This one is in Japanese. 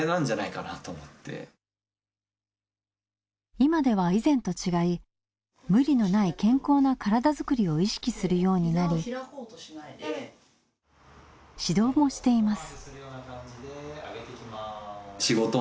今では以前と違い無理のない健康な体づくりを意識するようになり指導もしています。